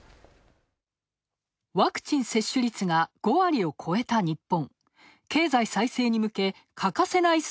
ワクチン接種率が５割を超えた日本。